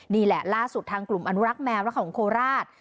นี่แหละล่าสุดทางกลุ่มอนุรักษ์แมวและของโคราช